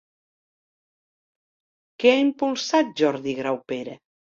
Què ha impulsat Jordi Graupera?